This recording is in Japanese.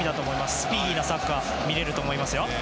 スピーディーなサッカーが見られると思いますよ。